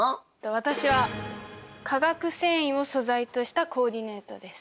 私は化学繊維を素材としたコーディネートです。